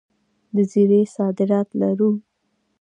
د زیرې صادرات لرو؟